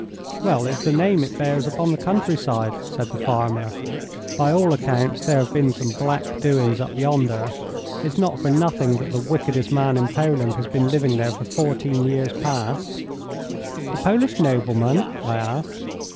'Well, it's the name it bears upon the countryside,' said the farmer. 'By all accounts there have been some black doings up yonder. It's not for nothing that the wickedest man in Poland has been living there these fourteen years past.' 'A Polish nobleman?' I asked.